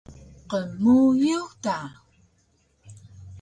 Qmuyux da